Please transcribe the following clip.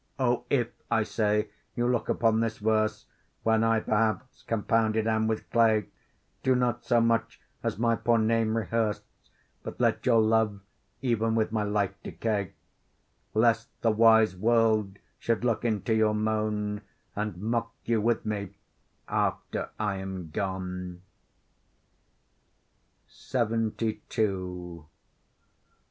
O if, I say, you look upon this verse, When I perhaps compounded am with clay, Do not so much as my poor name rehearse; But let your love even with my life decay; Lest the wise world should look into your moan, And mock you with me after I am gone. LXXII O!